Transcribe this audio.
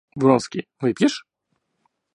Вронский, выпьешь?